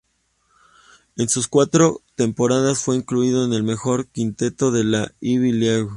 En sus cuatro temporadas fue incluido en el mejor quinteto de la Ivy League.